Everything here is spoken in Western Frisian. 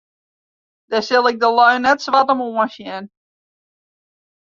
Dêr sil ik de lju net swart om oansjen.